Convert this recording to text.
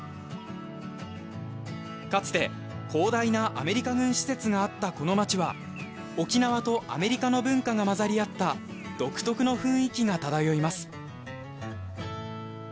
かつて広大なアメリカ軍施設があったこの街は沖縄とアメリカの文化が混ざり合った独特の雰囲気が漂います。